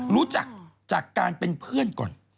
รู้จักจากการเป็นเพื่อนก่อน